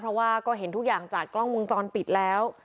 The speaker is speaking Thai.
เพราะว่าก็เห็นทุกอย่างจากกล้องวงจรปิดแล้ว